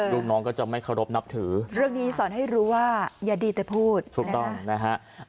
ลูกน้องก็จะไม่เคารพนับถือเรื่องนี้สอนให้รู้ว่าอย่าดีแต่พูดถูกต้องนะฮะ